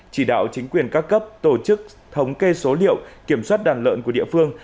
chỉ đạo chính quyền các cấp tổ chức thống kê số liệu kiểm soát đàn lợn của địa phương